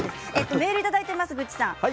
メールいただいています。